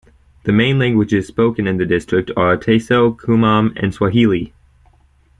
The main languages spoken in the district are Ateso, Kumam, and Swahili.